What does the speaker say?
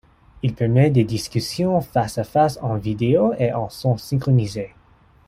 Il permet des discussions face à face en vidéo et en son synchronisé.